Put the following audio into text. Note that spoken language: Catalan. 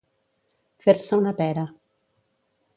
Fer-se una pera.